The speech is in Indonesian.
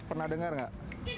pernah dengar nggak